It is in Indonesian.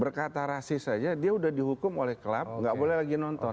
berkata rasis saja dia udah dihukum oleh klub nggak boleh lagi nonton